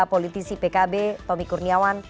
politisi pkb tommy kurniawan